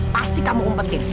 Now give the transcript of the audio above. pasti kamu umpetin